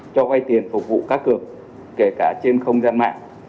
cho quay tiền phục vụ cắt cược kể cả trên không gian mạng